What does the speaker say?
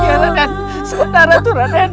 lihat lihat satara tuh raden